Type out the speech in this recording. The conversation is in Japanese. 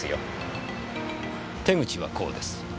手口はこうです。